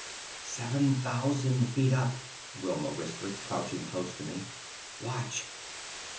"Seven thousand feet up," Wilma whispered, crouching close to me. "Watch."